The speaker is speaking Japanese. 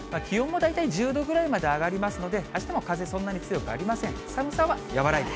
気温も大体１０度ぐらいまで上がりますので、あしたも風、そんなに強くありません。